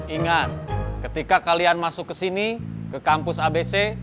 ingat ketika kalian masuk ke sini ke kampus abc